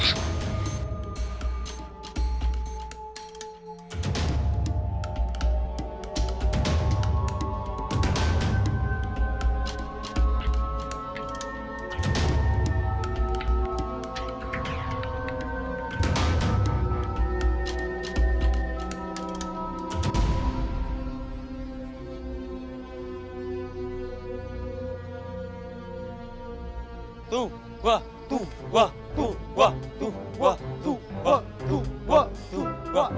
jangan ada dia bersuara